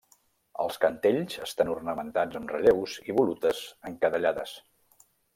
Els cantells estan ornamentats amb relleus i volutes encadellades.